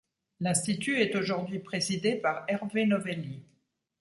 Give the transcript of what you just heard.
L'Institut est aujourd'hui présidé par Hervé Novelli.